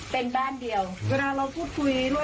เป็นบ้านเดียวเวลาเราพูดคุยด้วยอะไรก็ปกติ